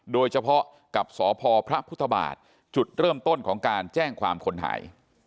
โดยเฉพาะกับสพพระพุทธบาทจุดเริ่มต้นของการแจ้งความคนหาย